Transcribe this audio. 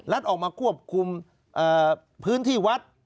ออกมาควบคุมพื้นที่วัด